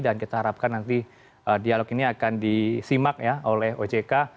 dan kita harapkan nanti dialog ini akan disimak oleh ojk